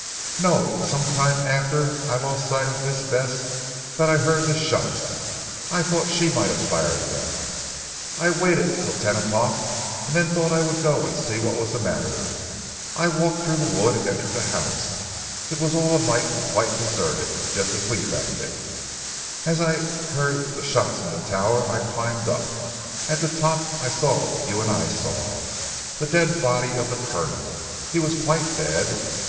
"No! It was some time after I lost sight of Miss Bess that I heard the shots, I thought she might have fired them. I waited till ten o'clock, and then thought I would go and see what was the matter. I walked through the wood, and entered the house. It was all alight and quite deserted, just as we found it. As I had heard the shots in the tower I climbed up. At the top I saw what you and I saw the dead body of the Colonel. He was quite dead.